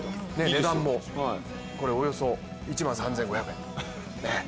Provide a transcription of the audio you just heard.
値段もおよそ１万３５００円。